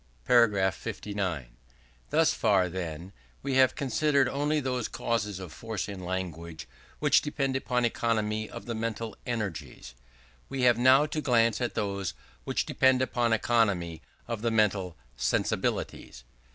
§ 59. Thus far, then, we have considered only those causes of force in language which depend upon economy of the mental energies: we have now to glance at those which depend upon economy of the mental _sensibilities.